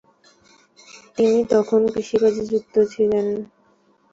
তিনি তখন কৃষিকাজে যুক্ত ছিলেন।